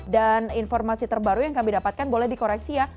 dan informasi terbaru yang kami dapatkan boleh dikoreksi ya